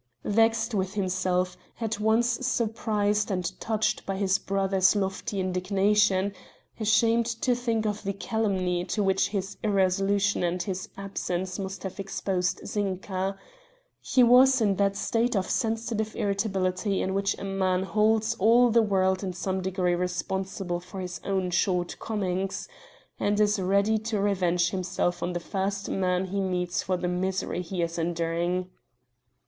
Vexed with himself; at once surprised and touched by his brother's lofty indignation; ashamed to think of the calumny to which his irresolution and his absence must have exposed Zinka he was in that state of sensitive irritability in which a man holds all the world in some degree responsible for his own shortcomings, and is ready to revenge himself on the first man he meets for the misery he is enduring.